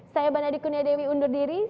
saya mbak nadie kunyademi undur diri